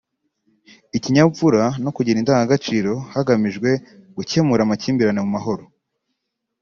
ikinyabupfura no kugira indangagaciro hagamijwe gukemura amakimbirane mu mahoro”